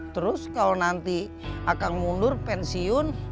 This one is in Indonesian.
terus kalau nanti akan mundur pensiun